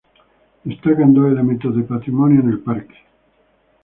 Destacan dos elementos de patrimonio en el parque.